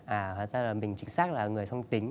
à hẳn ra là mình chính xác là người song tính